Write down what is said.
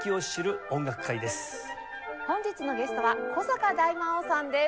本日のゲストは古坂大魔王さんです。